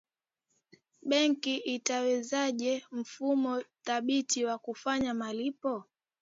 benki itawezesha mfumo thabiti wa kufanya malipo